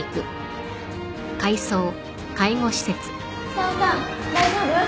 久男さん大丈夫？